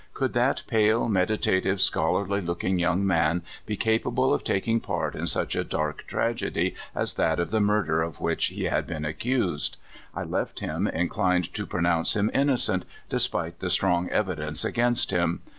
Could that pale, meditative, scholarly looking young man be capable of taking part in such a dark traged}^ as that of the murder of which he had been accused? I left him inclined to pronounce him innocent, despite the strong evi dence against him.